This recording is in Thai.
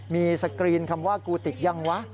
มีสกรีนคำว่ากูติกยังวะ